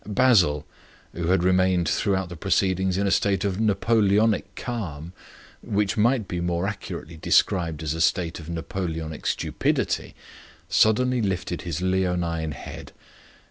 Basil, who had remained throughout the proceedings in a state of Napoleonic calm, which might be more accurately described as a state of Napoleonic stupidity, suddenly lifted his leonine head.